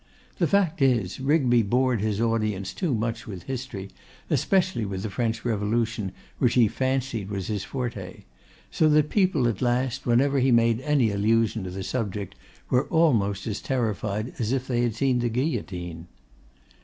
The fact is, Rigby bored his audience too much with history, especially with the French Revolution, which he fancied was his 'forte,' so that the people at last, whenever he made any allusion to the subject, were almost as much terrified as if they had seen the guillotine.